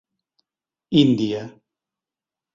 Índia.